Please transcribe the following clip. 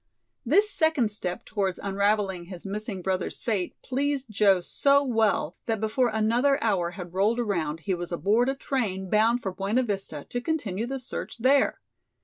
This second step towards unravelling his missing brother's fate pleased Joe so well that before another hour had rolled around he was aboard a train bound for Buena Vista to continue the search there.